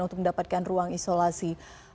untuk mendapatkan ruang isolasi